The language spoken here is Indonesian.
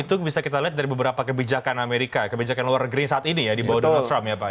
itu bisa kita lihat dari beberapa kebijakan amerika kebijakan luar negeri saat ini ya di bawah donald trump ya pak